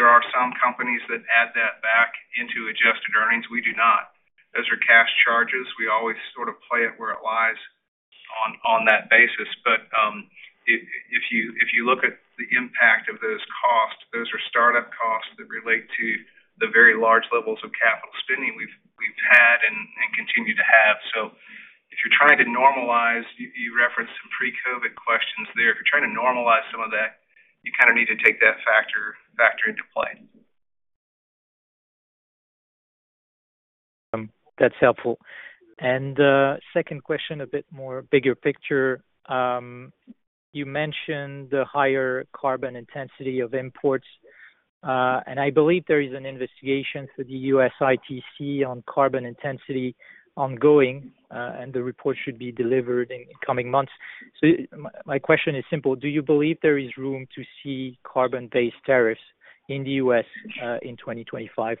There are some companies that add that back into adjusted earnings. We do not. Those are cash charges. We always sort of play it where it lies on, on that basis. But, if you look at the impact of those costs, those are start-up costs that relate to the very large levels of capital spending we've had and continue to have. So if you're trying to normalize. You referenced some pre-COVID questions there. If you're trying to normalize some of that, you kind of need to take that factor into play.
That's helpful, and second question, a bit more bigger picture. You mentioned the higher carbon intensity of imports, and I believe there is an investigation for the U.S. ITC on carbon intensity ongoing, and the report should be delivered in coming months. So my question is simple: Do you believe there is room to see carbon-based tariffs in the US, in 2025?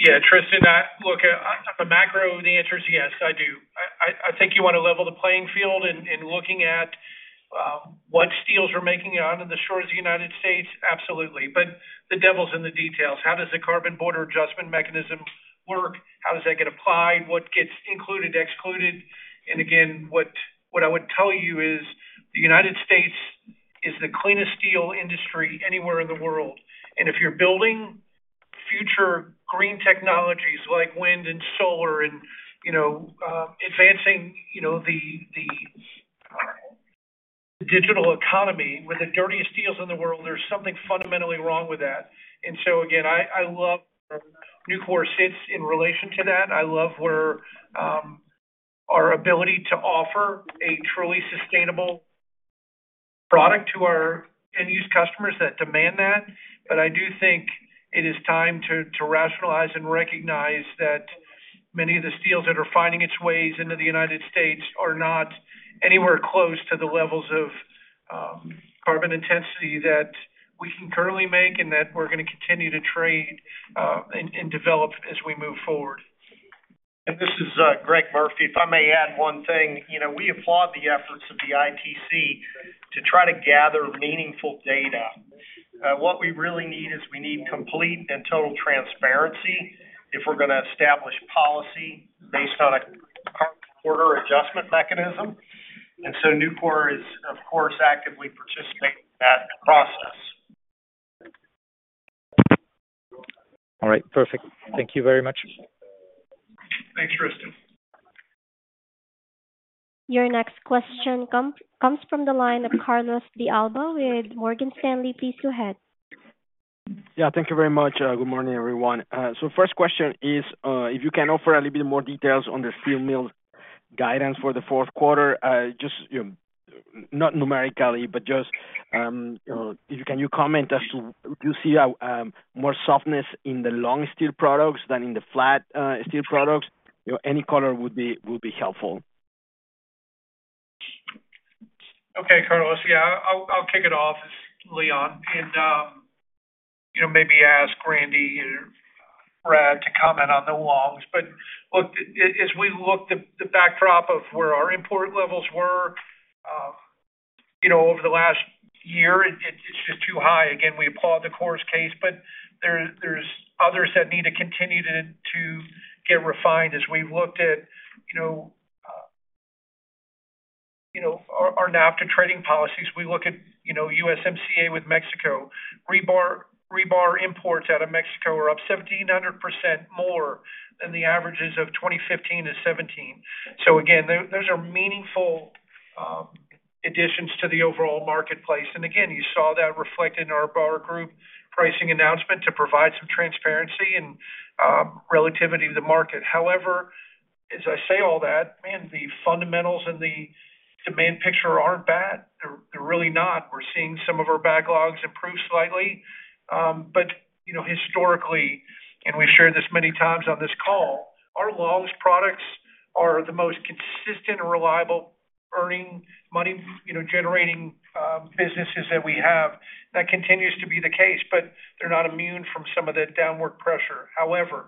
Yeah, Tristan, look, at the macro, the answer is yes, I do. I think you want to level the playing field in looking at what steels we're making out on the shores of the United States, absolutely. But the devil's in the details. How does the Carbon Border Adjustment Mechanism work? How does that get applied? What gets included, excluded? And again, what I would tell you is, the United States is the cleanest steel industry anywhere in the world. And if you're building future green technologies like wind and solar and, you know, advancing the digital economy with the dirtiest steels in the world, there's something fundamentally wrong with that. And so again, I love Nucor sits in relation to that. I love where our ability to offer a truly sustainable product to our end-use customers that demand that. But I do think it is time to rationalize and recognize that many of the steels that are finding its ways into the United States are not anywhere close to the levels of carbon intensity that we can currently make, and that we're gonna continue to trade and develop as we move forward.
This is Greg Murphy. If I may add one thing. You know, we applaud the efforts of the ITC to try to gather meaningful data. What we really need is we need complete and total transparency if we're gonna establish policy based on a Carbon Border Adjustment Mechanism. So Nucor is, of course, actively participating in that process.
All right. Perfect. Thank you very much.
Thanks, Tristan.
Your next question comes from the line of Carlos de Alba with Morgan Stanley. Please go ahead.
Yeah, thank you very much. Good morning, everyone. So first question is, if you can offer a little bit more details on the steel mill guidance for the fourth quarter, just, you know, not numerically, but just, if you can comment as to do you see more softness in the long steel products than in the flat steel products? You know, any color would be helpful.
Okay, Carlos. Yeah, I'll kick it off as Leon and, you know, maybe ask Randy and Brad to comment on the longs. But look, as we look at the backdrop of where our import levels were, you know, over the last year, it's just too high. Again, we applaud the Commerce's case, but there's others that need to continue to get refined. As we've looked at, you know, our NAFTA trading policies, we look at, you know, USMCA with Mexico. Rebar imports out of Mexico are up 1700% more than the averages of 2015 to 2017. So again, those are meaningful additions to the overall marketplace. And again, you saw that reflected in our bar group pricing announcement to provide some transparency and relativity to the market. However, as I say all that, man, the fundamentals and the demand picture aren't bad. They're, they're really not. We're seeing some of our backlogs improve slightly. But, you know, historically, and we've shared this many times on this call, our long products are the most consistent and reliable earning money, you know, generating businesses that we have. That continues to be the case, but they're not immune from some of the downward pressure. However,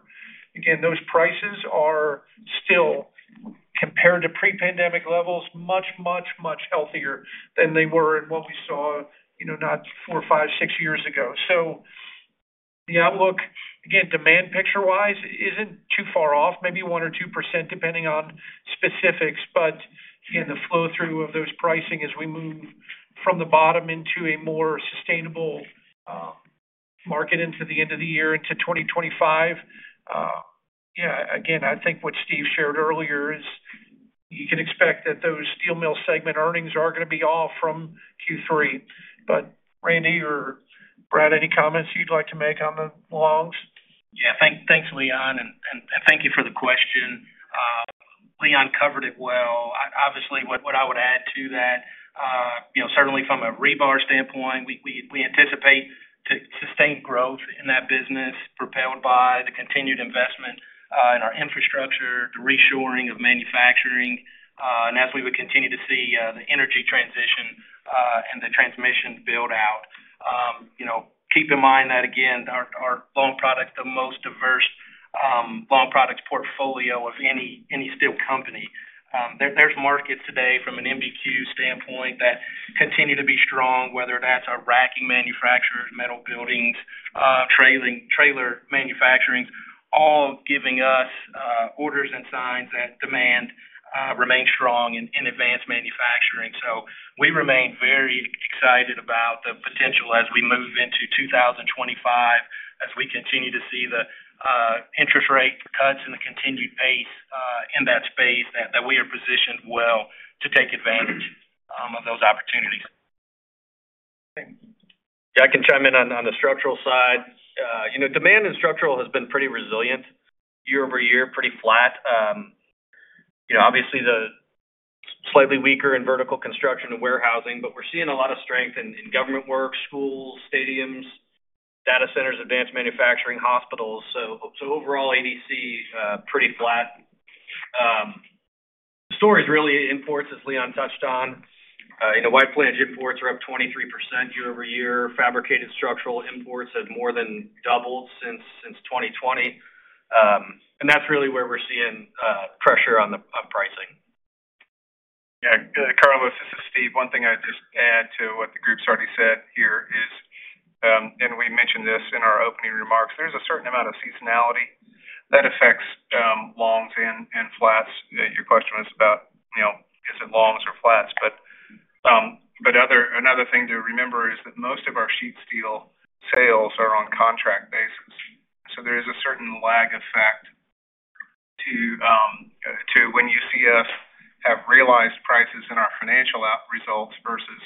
again, those prices are still, compared to pre-pandemic levels, much, much, much healthier than they were and what we saw, you know, not four, five, six years ago. So, the outlook, again, demand picture-wise, isn't too far off, maybe 1% or 2%, depending on specifics. But again, the flow-through of those pricing as we move from the bottom into a more sustainable market into the end of the year into 2025. Yeah, again, I think what Steve shared earlier is you can expect that those steel mill segment earnings are going to be off from Q3. But Randy or Brad, any comments you'd like to make on the longs?
Yeah. Thanks, Leon, and thank you for the question. Leon covered it well. Obviously, what I would add to that, you know, certainly from a rebar standpoint, we anticipate to sustain growth in that business, propelled by the continued investment in our infrastructure, the reshoring of manufacturing, and as we would continue to see the energy transition and the transmission build-out. You know, keep in mind that, again, our long product, the most diverse long products portfolio of any steel company. There's markets today from an MBQ standpoint that continue to be strong, whether that's our racking manufacturers, metal buildings, trailer manufacturing, all giving us orders and signs that demand remains strong in advanced manufacturing. So we remain very excited about the potential as we move into 2025, as we continue to see the interest rate cuts and the continued pace in that space that we are positioned well to take advantage of those opportunities.
Thank you.
Yeah, I can chime in on, on the structural side. You know, demand in structural has been pretty resilient, year over year, pretty flat. You know, obviously, the slightly weaker in vertical construction and warehousing, but we're seeing a lot of strength in, in government work, schools, stadiums, data centers, advanced manufacturing, hospitals. So, so overall, ADC, pretty flat. The story is really imports, as Leon touched on. You know, wide-flange imports are up 23% year over year. Fabricated structural imports have more than doubled since 2020. And that's really where we're seeing, pressure on the, on pricing.
Yeah, Carlos, this is Steve. One thing I'd just add to what the group's already said here is, and we mentioned this in our opening remarks, there's a certain amount of seasonality that affects longs and flats. Your question was about, you know, is it longs or flats? But another thing to remember is that most of our sheet steel sales are on contract basis. So there is a certain lag effect to when you see us have realized prices in our financial results versus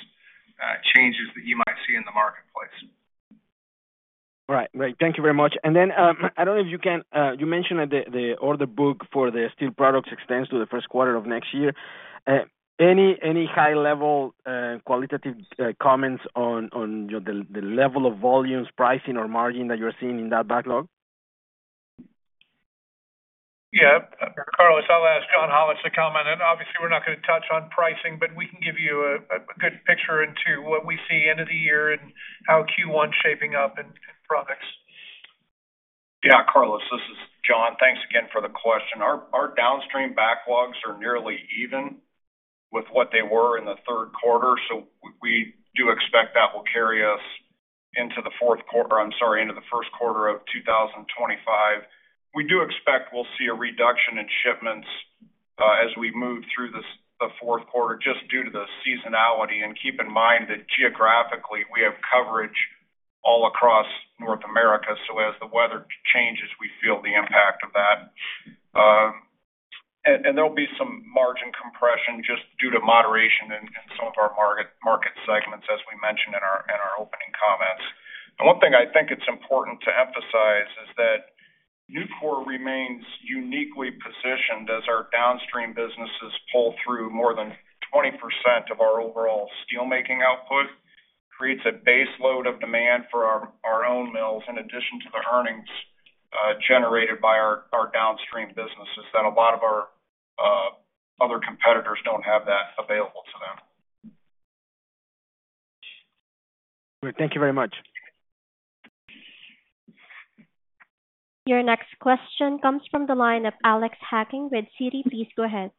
changes that you might see in the marketplace.
Right. Great. Thank you very much. And then, I don't know if you can, you mentioned that the order book for the steel products extends to the first quarter of next year. Any high level qualitative comments on, you know, the level of volumes, pricing, or margin that you're seeing in that backlog?
Yeah. Carlos, I'll ask John Hollatz to comment, and obviously, we're not going to touch on pricing, but we can give you a good picture into what we see end of the year and how Q1 is shaping up in products.
Yeah, Carlos, this is John. Thanks again for the question. Our downstream backlogs are nearly even with what they were in the third quarter, so we do expect that will carry us into the fourth quarter - I'm sorry, into the first quarter of two thousand twenty-five. We do expect we'll see a reduction in shipments, as we move through the fourth quarter, just due to the seasonality. And keep in mind that geographically, we have coverage all across North America, so as the weather changes, we feel the impact of that. And there'll be some margin compression just due to moderation in some of our market segments, as we mentioned in our opening comments. One thing I think it's important to emphasize is that Nucor remains uniquely positioned as our downstream businesses pull through more than 20% of our overall steelmaking output, creates a base load of demand for our own mills, in addition to the earnings generated by our downstream businesses, that a lot of our other competitors don't have that available to them.
Great. Thank you very much.
Your next question comes from the line of Alex Hacking with Citi. Please go ahead.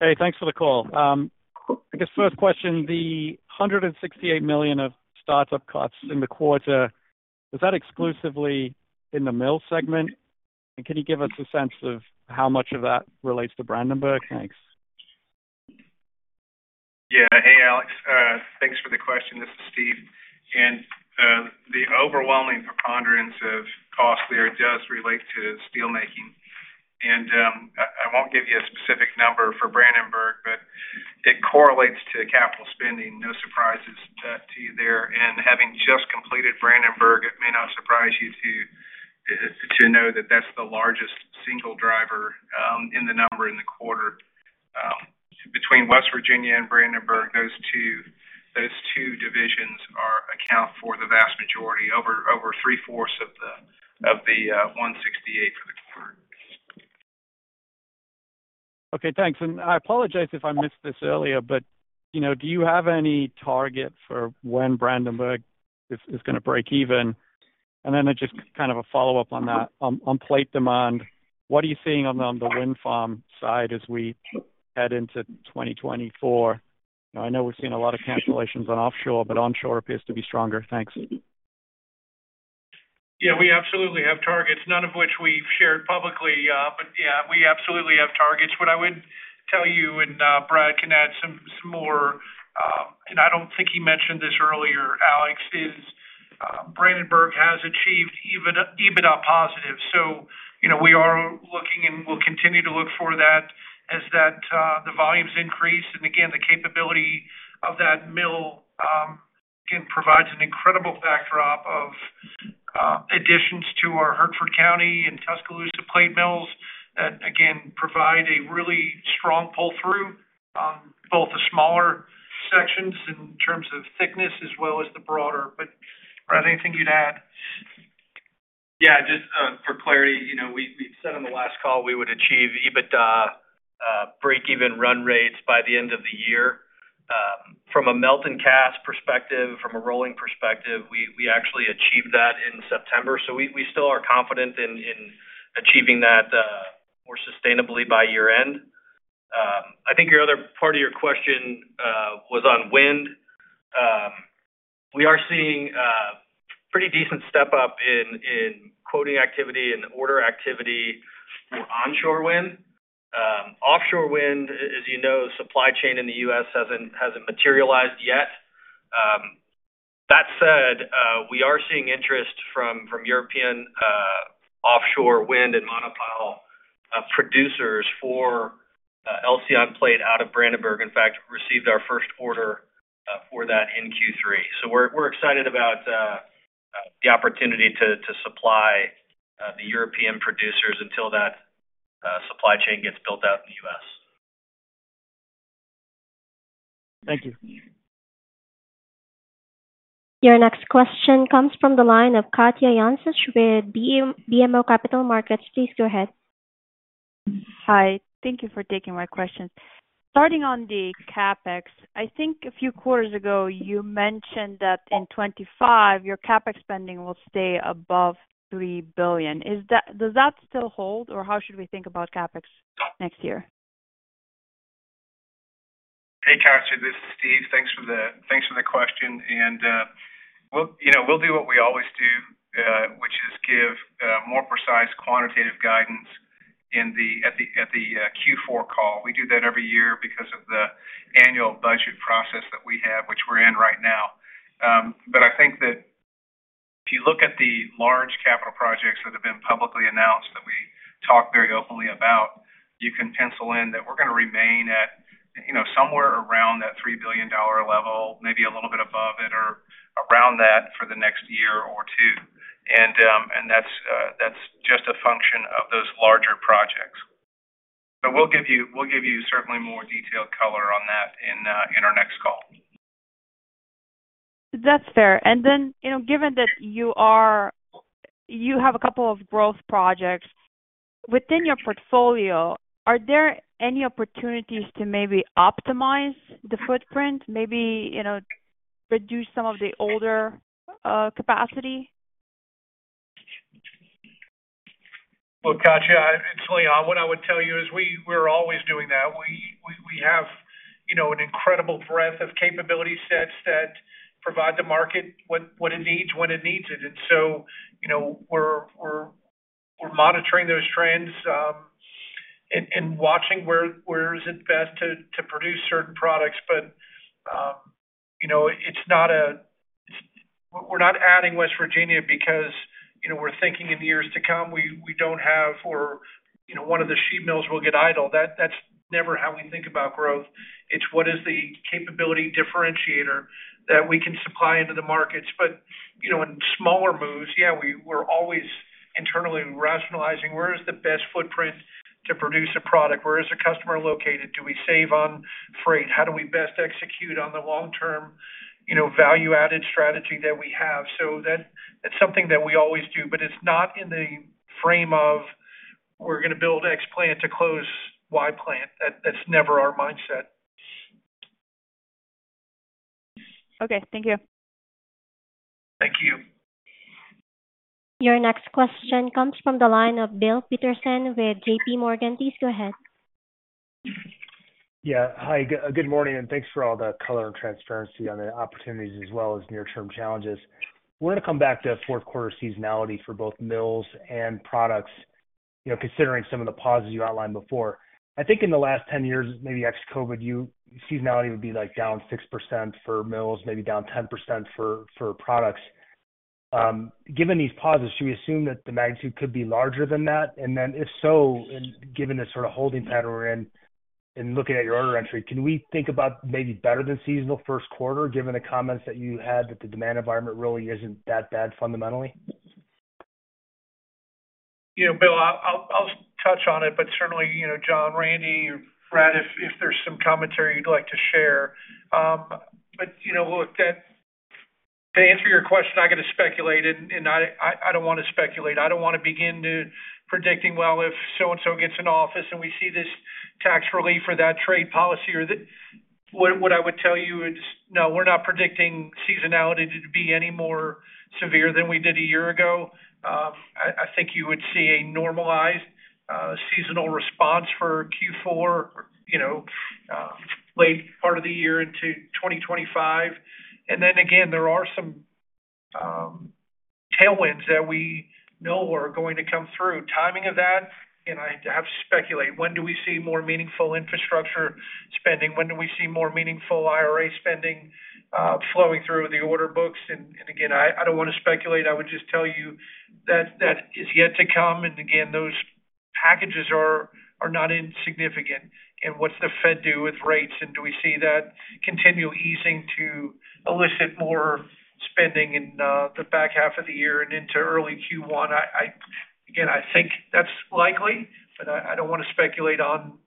Hey, thanks for the call. I guess first question, the $168 million of startup costs in the quarter, is that exclusively in the mill segment? And can you give us a sense of how much of that relates to Brandenburg? Thanks.
Yeah. Hey, Alex, thanks for the question. This is Steve. The overwhelming preponderance of costs there does relate to steel making. I won't give you a specific number for Brandenburg, but it correlates to capital spending. No surprises to you there. Having just completed Brandenburg, it may not surprise you to know that that's the largest single driver in the number in the quarter. Between West Virginia and Brandenburg, those two divisions account for the vast majority, over three-fourths of the $168 for the quarter.
Okay, thanks. And I apologize if I missed this earlier, but, you know, do you have any target for when Brandenburg is going to break even? ...Then just kind of a follow-up on that. On plate demand, what are you seeing on the wind farm side as we head into 2024? I know we've seen a lot of cancellations on offshore, but onshore appears to be stronger. Thanks.
Yeah, we absolutely have targets, none of which we've shared publicly. But yeah, we absolutely have targets. What I would tell you, and Brad can add some more, and I don't think he mentioned this earlier, Alex, is Brandenburg has achieved EBIT, EBITDA positive. So, you know, we are looking and will continue to look for that as the volumes increase. And again, the capability of that mill again provides an incredible backdrop of additions to our Hertford County and Tuscaloosa plate mills that again provide a really strong pull-through on both the smaller sections in terms of thickness as well as the broader. But, Brad, anything you'd add?
Yeah, just for clarity, you know, we've said on the last call, we would achieve EBITDA breakeven run rates by the end of the year. From a melt and cast perspective, from a rolling perspective, we actually achieved that in September. So we still are confident in achieving that more sustainably by year-end. I think your other part of your question was on wind. We are seeing pretty decent step-up in quoting activity and order activity for onshore wind. Offshore wind, as you know, supply chain in the U.S. hasn't materialized yet. That said, we are seeing interest from European offshore wind and monopile producers for Elcyon plate out of Brandenburg. In fact, received our first order for that in Q3. So we're excited about the opportunity to supply the European producers until that supply chain gets built out in the U.S.
Thank you.
Your next question comes from the line of Katja Jancic with BMO Capital Markets. Please go ahead.
Hi, thank you for taking my question. Starting on the CapEx, I think a few quarters ago, you mentioned that in 2025, your CapEx spending will stay above $3 billion. Is that, does that still hold, or how should we think about CapEx next year?
Hey, Katja, this is Steve. Thanks for the question. We'll, you know, we'll do what we always do, which is give more precise quantitative guidance at the Q4 call. We do that every year because of the annual budget process that we have, which we're in right now. I think that if you look at the large capital projects that have been publicly announced, that we talk very openly about, you can pencil in that we're going to remain at, you know, somewhere around that $3 billion level, maybe a little bit above it or around that for the next year or two. That's just a function of those larger projects. We'll give you certainly more detailed color on that in our next call.
That's fair. And then, you know, given that you have a couple of growth projects within your portfolio, are there any opportunities to maybe optimize the footprint, maybe, you know, reduce some of the older capacity?
Katja, it's Leon. What I would tell you is we're always doing that. We have, you know, an incredible breadth of capability sets that provide the market what it needs, when it needs it. And so, you know, we're monitoring those trends and watching where is it best to produce certain products. But, you know, it's not. We're not adding West Virginia because, you know, we're thinking in years to come, we don't have or, you know, one of the sheet mills will get idle. That's never how we think about growth. It's what is the capability differentiator that we can supply into the markets. But, you know, in smaller moves, yeah, we're always internally rationalizing where is the best footprint to produce a product? Where is the customer located? Do we save on freight? How do we best execute on the long-term, you know, value-added strategy that we have? So that's something that we always do, but it's not in the frame of we're going to build X plant to close Y plant. That's never our mindset.
Okay. Thank you.
Thank you.
Your next question comes from the line of Bill Peterson with J.P. Morgan. Please go ahead.
Yeah. Hi, good morning, and thanks for all the color and transparency on the opportunities as well as near-term challenges. We're going to come back to fourth quarter seasonality for both mills and products, you know, considering some of the pauses you outlined before. I think in the last 10 years, maybe ex-COVID, seasonality would be, like, down 6% for mills, maybe down 10% for products. Given these pauses, should we assume that the magnitude could be larger than that? And then, if so, and given the sort of holding pattern we're in and looking at your order entry, can we think about maybe better than seasonal first quarter, given the comments that you had, that the demand environment really isn't that bad fundamentally?
You know, Bill, I'll touch on it, but certainly, you know, John, Randy, Brad, if there's some commentary you'd like to share. But, you know, look, that - to answer your question, I got to speculate, and I don't want to speculate. I don't want to begin to predicting, well, if so and so gets into office and we see this tax relief or that trade policy or the... What I would tell you is, no, we're not predicting seasonality to be any more severe than we did a year ago. I think you would see a normalized seasonal response for Q4, you know, late part of the year into twenty twenty-five. And then again, there are some tailwinds that we know are going to come through. Timing of that, and I'd have to speculate. When do we see more meaningful infrastructure spending? When do we see more meaningful IRA spending flowing through the order books? And again, I don't want to speculate. I would just tell you that that is yet to come, and again, those packages are not insignificant. And what's the Fed do with rates, and do we see that continual easing to elicit more spending in the back half of the year and into early Q1? Again, I think that's likely, but I don't want to speculate on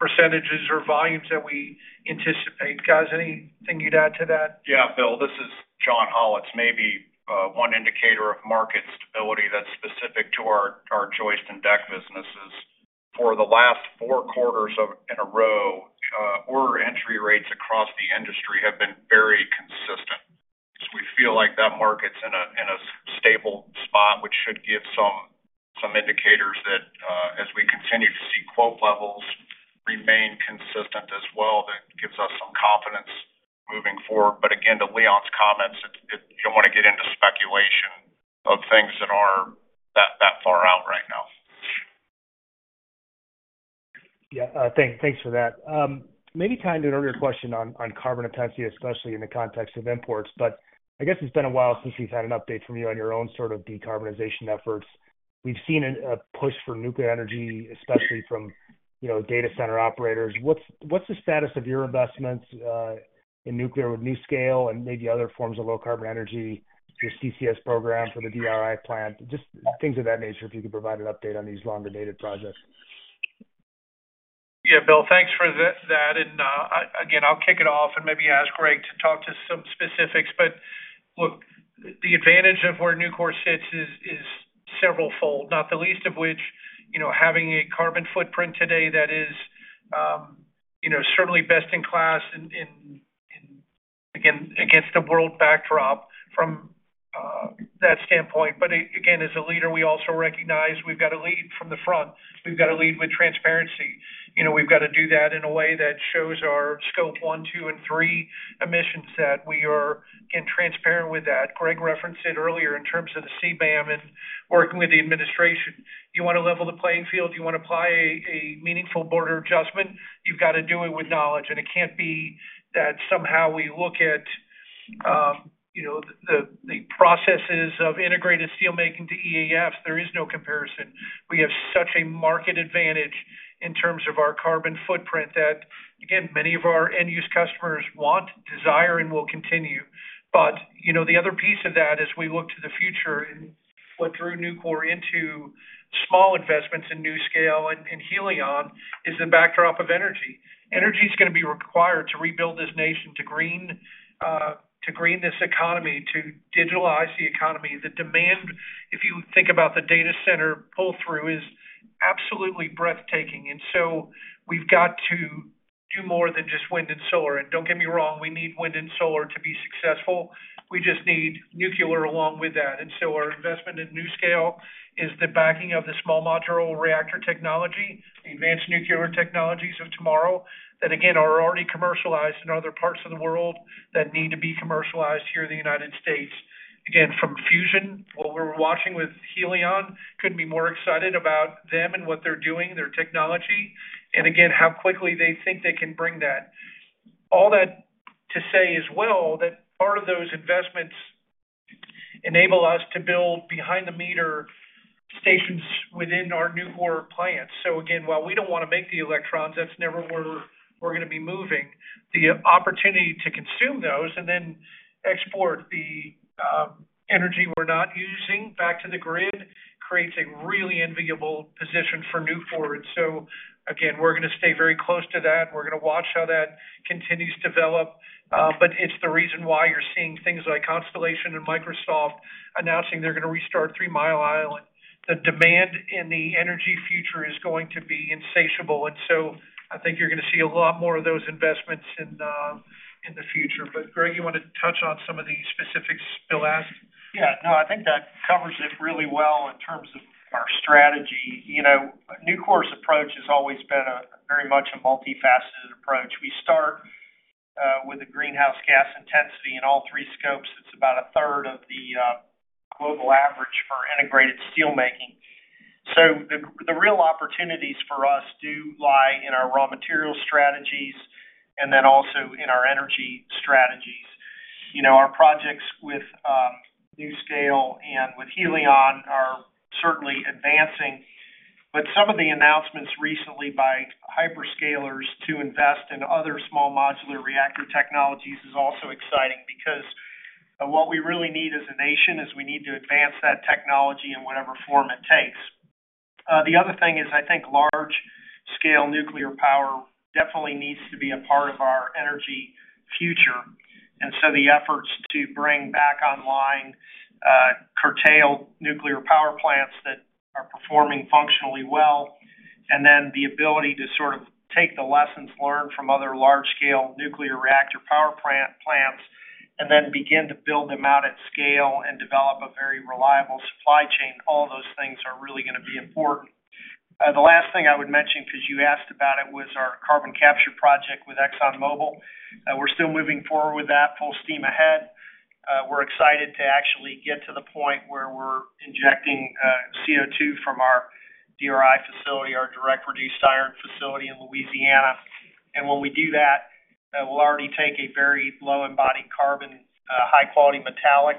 percentages or volumes that we anticipate. Guys, anything you'd add to that?
Yeah, Bill, this is John Hollatz. Maybe one indicator of market stability that's specific to our joist and deck businesses. For the last four quarters in a row, order entry rates across the industry have been very consistent. So we feel like that market's in a stable spot, which should give some indicators that as we continue to see quote levels remain consistent as well, that gives us some confidence moving forward. But again, to Leon's comments, we don't want to get into speculation of things that are that far out right now.
Yeah, thanks, thanks for that. Maybe tying to an earlier question on carbon intensity, especially in the context of imports, but I guess it's been a while since we've had an update from you on your own sort of decarbonization efforts. We've seen a push for nuclear energy, especially from, you know, data center operators. What's the status of your investments in nuclear with NuScale and maybe other forms of low-carbon energy, your CCS program for the DRI plant? Just things of that nature, if you could provide an update on these longer-dated projects.
Yeah, Bill, thanks for that, and again, I'll kick it off and maybe ask Greg to talk to some specifics. But look, the advantage of where Nucor sits is severalfold, not the least of which, you know, having a carbon footprint today that is, you know, certainly best-in-class in, again, against the world backdrop from that standpoint. But again, as a leader, we also recognize we've got to lead from the front. We've got to lead with transparency. You know, we've got to do that in a way that shows our Scope 1, 2, and 3 emissions, that we are, again, transparent with that. Greg referenced it earlier in terms of the CBAM and working with the administration. You want to level the playing field, you want to apply a meaningful border adjustment, you've got to do it with knowledge. And it can't be that somehow we look at, you know, the processes of integrated steelmaking to EAFs. There is no comparison. We have such a market advantage in terms of our carbon footprint that, again, many of our end-use customers want, desire, and will continue. But, you know, the other piece of that as we look to the future and what drew Nucor into small investments in NuScale and Helion is the backdrop of energy. Energy is going to be required to rebuild this nation, to green this economy, to digitalize the economy. The demand, if you think about the data center pull-through, is absolutely breathtaking. And so we've got to do more than just wind and solar. And don't get me wrong, we need wind and solar to be successful. We just need nuclear along with that. Our investment in NuScale is the backing of the small modular reactor technology, the advanced nuclear technologies of tomorrow, that again, are already commercialized in other parts of the world, that need to be commercialized here in the United States. Again, from fusion, what we're watching with Helion, couldn't be more excited about them and what they're doing, their technology, and again, how quickly they think they can bring that. All that to say as well, that part of those investments enable us to build behind-the-meter stations within our Nucor plants. Again, while we don't want to make the electrons, that's never where we're going to be moving, the opportunity to consume those and then export the energy we're not using back to the grid creates a really enviable position for Nucor. And so, again, we're going to stay very close to that, and we're going to watch how that continues to develop. But it's the reason why you're seeing things like Constellation and Microsoft announcing they're going to restart Three Mile Island. The demand in the energy future is going to be insatiable, and so I think you're going to see a lot more of those investments in the future. But Greg, you want to touch on some of the specifics Bill asked?
Yeah. No, I think that covers it really well in terms of our strategy. You know, Nucor's approach has always been a very much a multifaceted approach. We start with a greenhouse gas intensity in all three scopes. It's about a third of the global average for integrated steelmaking. So the real opportunities for us do lie in our raw material strategies and then also in our energy strategies. You know, our projects with NuScale and with Helion are certainly advancing, but some of the announcements recently by hyperscalers to invest in other small modular reactor technologies is also exciting because what we really need as a nation is we need to advance that technology in whatever form it takes. The other thing is, I think large-scale nuclear power definitely needs to be a part of our energy future, and so the efforts to bring back online, curtailed nuclear power plants that-...
performing functionally well, and then the ability to sort of take the lessons learned from other large-scale nuclear reactor power plants, and then begin to build them out at scale and develop a very reliable supply chain. All those things are really gonna be important. The last thing I would mention, because you asked about it, was our carbon capture project with ExxonMobil. We're still moving forward with that full steam ahead. We're excited to actually get to the point where we're injecting CO2 from our DRI facility, our direct reduced iron facility in Louisiana. And when we do that, we'll already take a very low embodied carbon, high-quality metallic,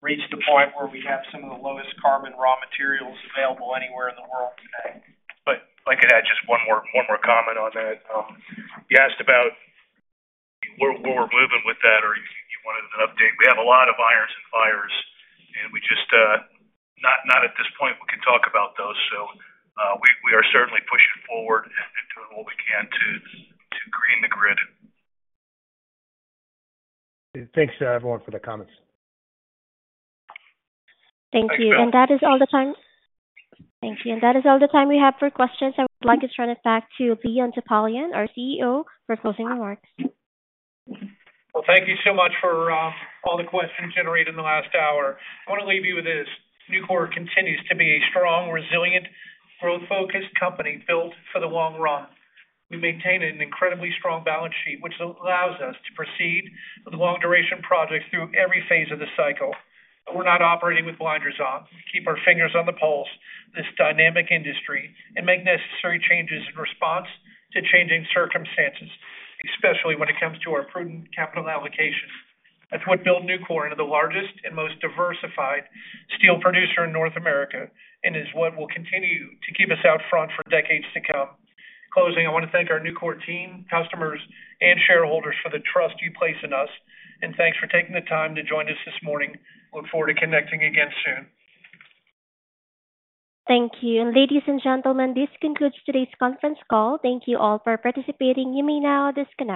and we'll reach the point where we have some of the lowest carbon raw materials available anywhere in the world today.
But if I could add just one more comment on that. You asked about where we're moving with that, or you wanted an update. We have a lot of irons in the fire, and we just cannot at this point talk about those. So, we are certainly pushing forward and doing what we can to green the grid.
Thanks, everyone, for the comments.
Thank you.
Thanks.
And that is all the time... Thank you. And that is all the time we have for questions. I would like to turn it back to Leon Topalian, our CEO, for closing remarks.
Well, thank you so much for all the questions generated in the last hour. I wanna leave you with this: Nucor continues to be a strong, resilient, growth-focused company built for the long run. We maintain an incredibly strong balance sheet, which allows us to proceed with long-duration projects through every phase of the cycle, but we're not operating with blinders on. We keep our fingers on the pulse of this dynamic industry and make necessary changes in response to changing circumstances, especially when it comes to our prudent capital allocation. That's what built Nucor into the largest and most diversified steel producer in North America, and is what will continue to keep us out front for decades to come. Closing, I want to thank our Nucor team, customers, and shareholders for the trust you place in us, and thanks for taking the time to join us this morning. Look forward to connecting again soon.
Thank you. Ladies and gentlemen, this concludes today's conference call. Thank you all for participating. You may now disconnect.